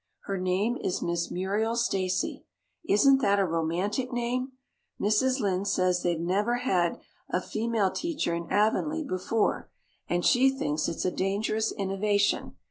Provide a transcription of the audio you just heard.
Her name is Miss Muriel Stacy. Isn't that a romantic name? Mrs. Lynde says they've never had a female teacher in Avonlea before and she thinks it is a dangerous innovation.